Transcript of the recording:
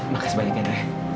makasih banyak ya dre